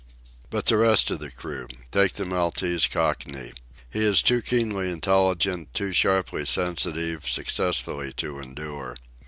But the rest of the crew! Take the Maltese Cockney. He is too keenly intelligent, too sharply sensitive, successfully to endure.